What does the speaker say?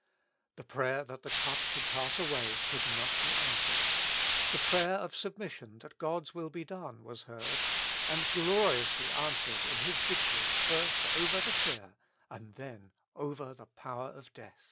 The prayer that the cup should pass away could not be answered ; the prayer of submis sion that God's will be done was heard, and gloriously answered in His victory first over the fear, and then over the power of death.